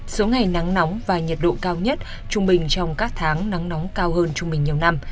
số ngày nắng nóng và nhiệt độ cao nhất trung bình trong các tháng nắng nóng cao hơn trung bình nhiều năm